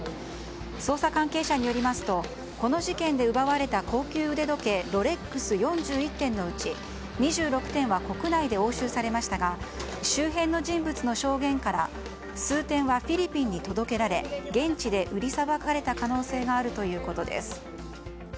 捜査関係者によりますとこの事件で奪われた高級腕時計ロレックス４１点のうち２６点は国内で押収されましたが周辺の人物の証言から数点はフィリピンに届けられ現地で売りさばかれた可能性があるということです。